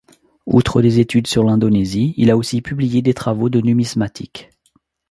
Outre des études sur l'Indonésie, il a aussi publié des travaux de numismatique.